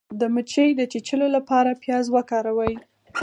د مچۍ د چیچلو لپاره پیاز وکاروئ